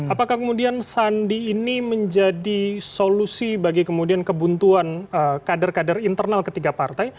apakah kemudian sandi ini menjadi solusi bagi kemudian kebuntuan kader kader internal ketiga partai